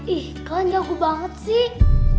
ih kalian nyagu banget sih